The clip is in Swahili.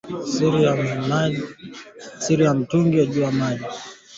Siri ya mutu inajuwa mutu ye moya na Mungu